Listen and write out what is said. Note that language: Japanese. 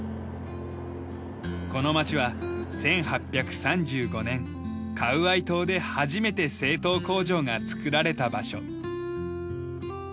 この町は１８３５年カウアイ島で初めて製糖工場が造られた場所。